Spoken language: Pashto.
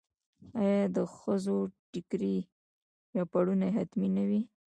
آیا د ښځو ټیکری یا پړونی حتمي نه وي؟